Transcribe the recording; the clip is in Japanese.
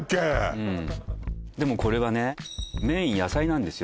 うんでもこれはね麺野菜なんですよ